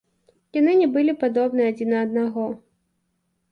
Яны не былі падобны адзін на аднаго.